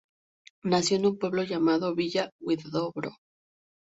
Nació en un pueblo llamado Villa Huidobro.